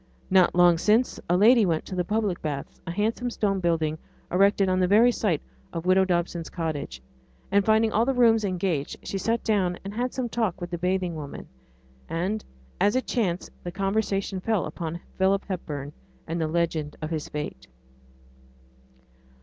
Not long since a lady went to the 'Public Baths', a handsome stone building erected on the very site of widow Dobson's cottage, and finding all the rooms engaged she sat down and had some talk with the bathing woman; and, as it chanced, the conversation fell on Philip Hepburn and the legend of his fate.